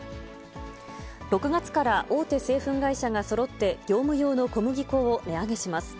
６月から大手製粉会社がそろって業務用の小麦粉を値上げします。